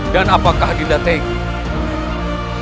dan apakah dinda teguh